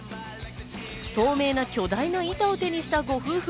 透明な巨大な板を手にしたご夫婦。